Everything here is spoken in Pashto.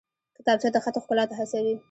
کتابچه د خط ښکلا ته هڅوي